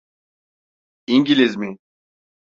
İngiliz mi?